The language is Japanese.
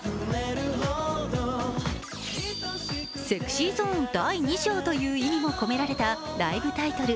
ＳｅｘｙＺｏｎｅ第二章という意味も込められたライブタイトル